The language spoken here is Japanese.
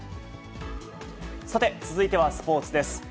さて、続いてはスポーツです。